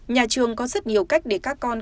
nhà trường có rất nhiều cách để các con